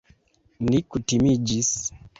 Ni kutimiĝis!